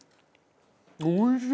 おいしい！